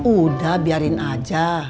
udah biarin aja